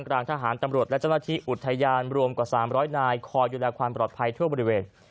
กลางทหารตำรวจและเจ้าหน้าที่อุทยานรวมกว่า๓๐๐นายคอยดูแลความปลอดภัยทั่วบริเวณ